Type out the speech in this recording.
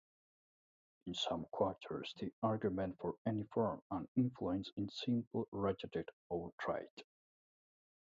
In some quarters, the argument for any form of influence is simply rejected outright.